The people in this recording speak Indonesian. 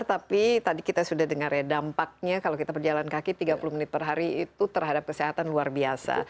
tapi tadi kita sudah dengar ya dampaknya kalau kita berjalan kaki tiga puluh menit per hari itu terhadap kesehatan luar biasa